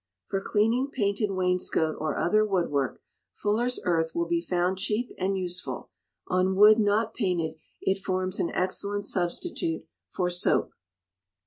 For Cleaning Painted Wainscot or Other Woodwork, fuller's earth will be found cheap and useful: on wood not painted it forms an excellent substitute for soap.